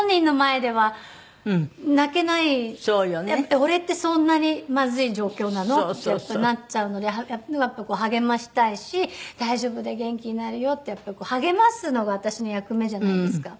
俺ってそんなにまずい状況なの？ってやっぱりなっちゃうので励ましたいし大丈夫だよ元気になるよって励ますのが私の役目じゃないですか。